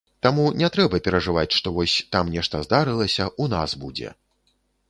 Таму не трэба перажываць, што вось, там нешта здарылася, у нас будзе.